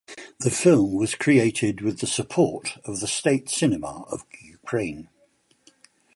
The film was created with the support of the State Cinema of Ukraine.